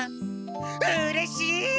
うれしい！